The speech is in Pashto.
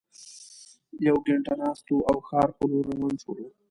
یوه ګینټه ناست وو او ښار په لور روان شولو.